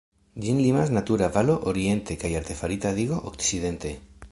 Ĝin limas natura valo oriente kaj artefarita digo okcidente.